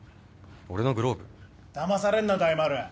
俺のグローブ？だまされんな大丸。